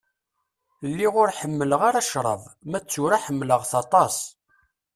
Lliɣ ur ḥemmleɣ ara ccṛab, ma d tura ḥemmlaɣ-t aṭas.